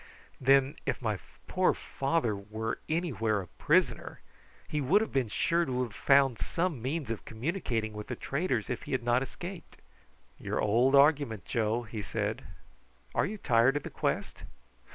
"Then if my poor father were anywhere a prisoner, he would have been sure to have found some means of communicating with the traders if he had not escaped." "Your old argument, Joe," he said. "Are you tired of the quest?"